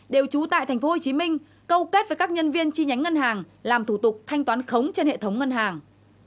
đều trú tại tp hcm câu kết với các nhân viên chi nhánh ngân hàng làm thủ tục thanh toán khống trên hệ thống ngân hàng